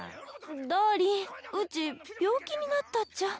ダーリンうち病気になったっちゃ。